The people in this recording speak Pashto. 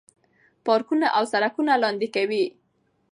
پارکونه او سړکونه لاندې کوي.